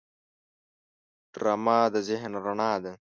ډرامه د ذهن رڼا ده